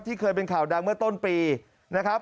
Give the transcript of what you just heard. เคยเป็นข่าวดังเมื่อต้นปีนะครับ